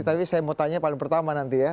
tapi saya mau tanya paling pertama nanti ya